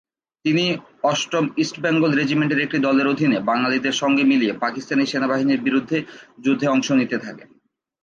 তিনি অষ্টম ইস্ট বেঙ্গল রেজিমেন্টের একটি দলের অধীনে বাঙালিদের সঙ্গে মিলিয়ে পাকিস্তানি সেনাবাহিনীর বিরুদ্ধে যুদ্ধে অংশ নিতে থাকেন।